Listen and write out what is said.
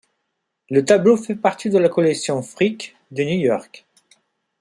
Le tableau fait partie de la collection Frick de New York.